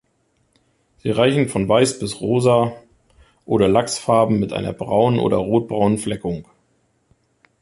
Sie reichen von weiß bis rosa oder lachsfarben mit einer braunen oder rotbraunen Fleckung.